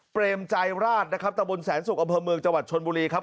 เปรมใจราชนะครับตะบนแสนสุกอำเภอเมืองจังหวัดชนบุรีครับ